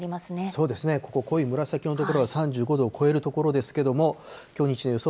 そうですね、ここ濃い紫色の所は３５度を超える所ですけれども、きょう日中の予想